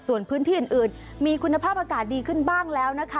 ส่วนพื้นที่อื่นมีคุณภาพอากาศดีขึ้นบ้างแล้วนะคะ